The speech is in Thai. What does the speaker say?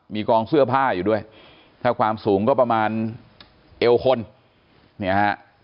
มีกองเสื้อผ้าอยู่ด้วยถ้าความสูงก็ประมาณเอวคนเนี่ยฮะ